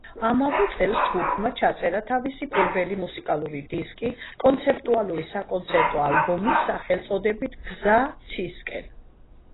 ამავე წელს ჯგუფმა ჩაწერა თავისი პირველი მუსიკალური დისკი, კონცეპტუალური საკონცერტო ალბომი სახელწოდებით „გზა ცისკენ“.